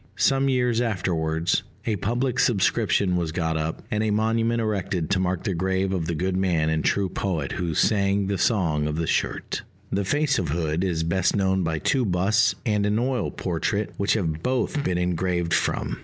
Some years afterwards, a public subscription was got up, and a monument erected to mark the grave of the good man and true poet who "sang the Song of the Shirt." The face of Hood is best known by two busts and an oil portrait which have both been engraved from.